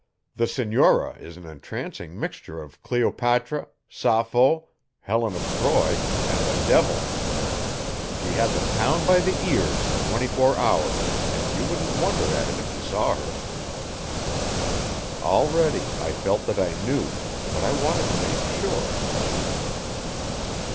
The senora is an entrancing mixture of Cleopatra, Sappho, Helen of Troy, and the devil. She had the town by the ears in twenty four hours, and you wouldn't wonder at it if you saw her." Already I felt that I knew, but I wanted to make sure.